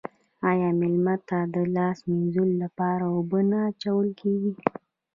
آیا میلمه ته د لاس مینځلو لپاره اوبه نه اچول کیږي؟